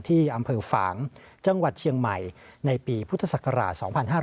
ที่อำเภอฝางจังหวัดเชียงใหม่ในปีพุทธศักราช๒๕๕๙